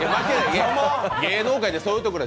芸能界ってそういうところや。